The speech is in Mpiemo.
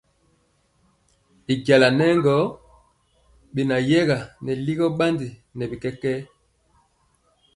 Y jala nɛ gɔ benayɛga nɛ ligɔ bandi nɛ bi kɛkɛɛ.